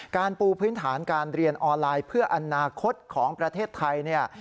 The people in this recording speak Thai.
การปูพื้นฐานการเรียนออนไลน์เพื่ออนาคตของประเทศไทยเนี่ย